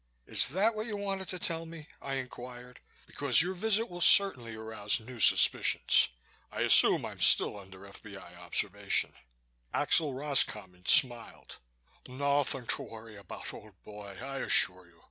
"Is that what you wanted to tell me?" I inquired, "because your visit will certainly arouse new suspicions. I assume I'm still under F.B.I. observation." Axel Roscommon smiled. "Nothing to worry about, old boy, I assure you.